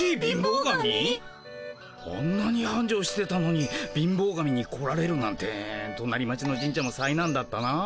あんなにはんじょうしてたのに貧乏神に来られるなんてとなり町の神社もさいなんだったなあ。